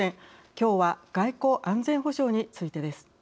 きょうは外交・安全保障についてです。